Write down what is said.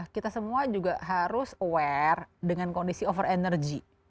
kita semua juga harus aware dengan kondisi over energy